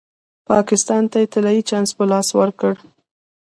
پاکستان ته طلايي چانس په لاس ورکړ.